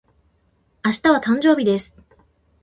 明日は、誕生日です。